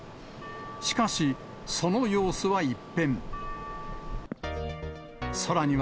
しかし、その様子は一変。